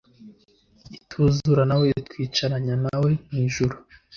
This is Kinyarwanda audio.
ituzurana na we, itwicaranya na we mu ijuru